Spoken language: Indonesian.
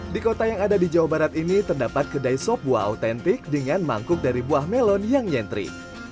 di kota yang ada di jawa barat ini terdapat kedai sop buah autentik dengan mangkuk dari buah melon yang nyentri